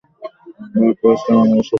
ভারত, পাকিস্তান, বাংলাদেশে এর প্রচলন রয়েছে।